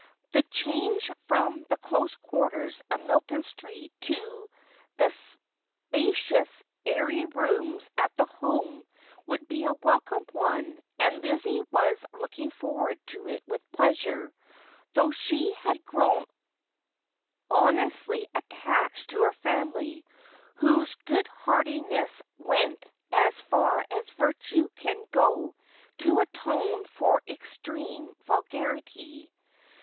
The change from the close quarters of Milton Street to the spo.oious. airy rooms at the Home would be a welcome one, and Lizzie was looking forward to it with pleasure, though she had gt >wn honestly attache 1 to her family, whose good heartedne. s w c nt as far as virtue can go to atone for extreme vulgarity.